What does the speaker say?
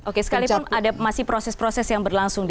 oke sekalipun ada masih proses proses yang berlangsung